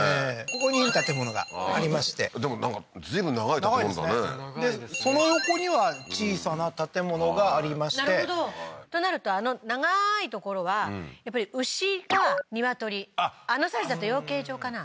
ここに建物がありましてでもなんか随分長い建物だねでその横には小さな建物がありましてなるほどとなるとあの長ーい所はやっぱり牛か鶏あのサイズだと養鶏場かな？